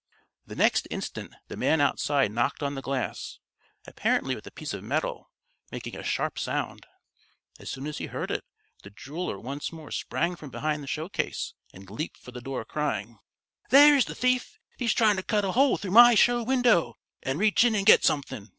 The next instant the man outside knocked on the glass, apparently with a piece of metal, making a sharp sound. As soon as he heard it, the jeweler once more sprang from behind the showcase, and leaped for the door crying: "There's the thief! He's trying to cut a hole through my show window and reach in and get something!